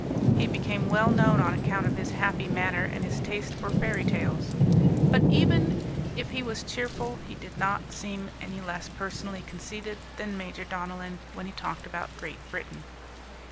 He became well known on account of his happy manner and his taste for fairy tales. But, even if he was cheerful, he did not seem any less personally conceited than Major Donellan when he talked about Great Britain.